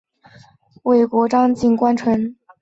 尾张国井关城城主。